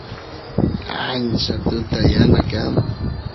ancha tuta yana kan